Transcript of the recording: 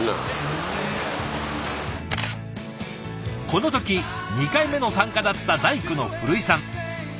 この時２回目の参加だった大工の古井さん。